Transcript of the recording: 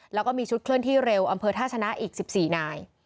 แล้วก็มีชุดเคลื่อนที่เร็วอำเภอท่าชนะอีก๑๔นาย